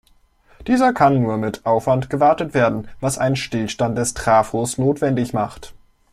Dieser kann nur mit Aufwand gewartet werden, was einen Stillstand des Trafos notwendig macht.